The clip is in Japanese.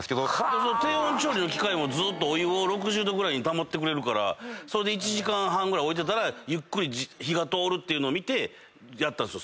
低温調理の機械もお湯を６０℃ぐらいに保ってくれるから１時間半ぐらい置いてたらゆっくり火が通るってのを見てやったんですよ